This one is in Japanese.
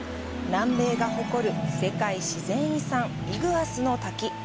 南米が誇る世界自然遺産イグアスの滝。